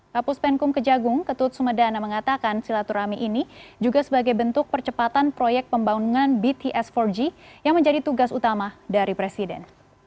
kapus penkum kejagung ketut sumedana mengatakan silaturahmi ini juga sebagai bentuk percepatan proyek pembangunan bts empat g yang menjadi tugas utama dari presiden